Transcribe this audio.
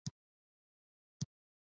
په رېږدېدلې غږ يې وويل: